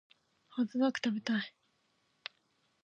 ホットドック食べたい